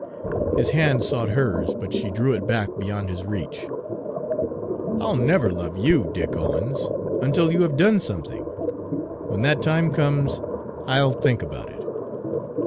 His hand sought hers, but she drew it back beyond his reach. "I'll never love you, Dick Owens, until you have done something. When that time comes, I'll think about it."